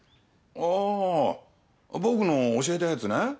ああ僕の教えたやつね。